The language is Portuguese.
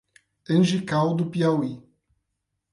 Angical do Piauí